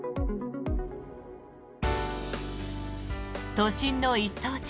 都心の一等地